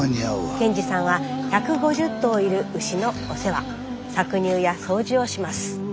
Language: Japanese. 憲二さんは１５０頭いる牛のお世話搾乳や掃除をします。